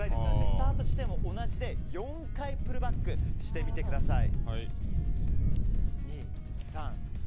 スタート地点は同じで４回プルバックしてください。